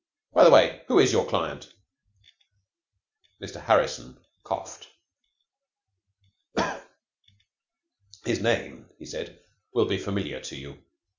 By the way, who is your client?" Mr. Harrison coughed. "His name," he said, "will be familiar to you.